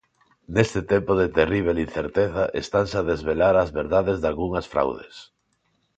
Neste tempo de terríbel incerteza estanse a desvelar as verdades dalgunhas fraudes.